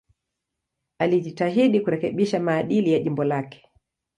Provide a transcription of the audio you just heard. Alijitahidi kurekebisha maadili ya jimbo lake.